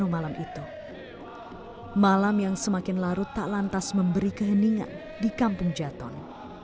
malam itu malam yang semakin larut tak lantas memberi keheningan di kampung jaton